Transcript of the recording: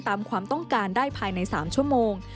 ความต้องการได้ภายใน๓ชั่วโมง